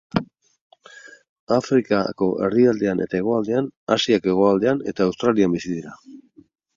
Afrikako erdialdean eta hegoaldean, Asiako hegoaldean eta Australian bizi dira.